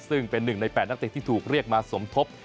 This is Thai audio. ซึ่งเป็น๑ใน๘นักเตะที่ถูกเรียกมาสมทบ